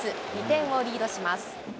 ２点をリードします。